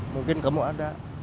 mungkin kamu ada